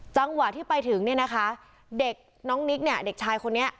จังหวะที่ไปถึงเนี่ยนะคะเด็กน้องนิกเนี่ยเด็กชายคนนี้